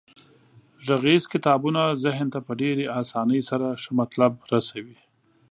غږیز کتابونه ذهن ته په ډیرې اسانۍ سره ښه مطلب رسوي.